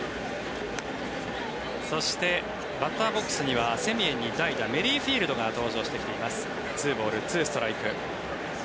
そして、バッターボックスにはセミエンに代打メリフィールドが登場してきています。